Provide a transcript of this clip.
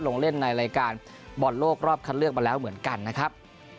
ลงเล่นในรายการบอลโลกรอบคัดเลือกมาแล้วเหมือนกันนะครับ